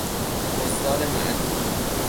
حضار معدود